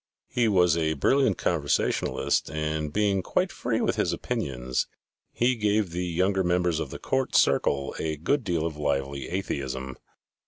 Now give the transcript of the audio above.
He was a brilliant conversationalist and being quite free with his opinions, he gave the younger members of the court circle a good deal of lively atheism.